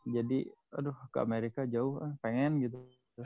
jadi aduh ke amerika jauh pengen gitu